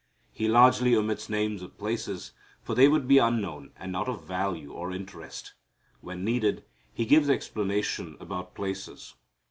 He largely omits names of places, for they would be unknown and not of value or interest. When needed, he gives explanation about places.